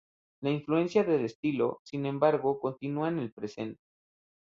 La influencia del estilo, sin embargo, continúa en el presente.